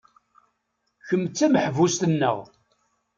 Kemm d tameḥbust-nneɣ.